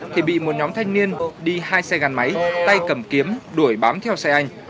thì bị một nhóm thanh niên đi hai xe gắn máy tay cầm kiếm đuổi bám theo xe anh